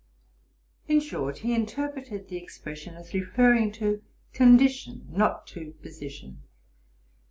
In short, he interpreted the expression as referring to condition, not to position.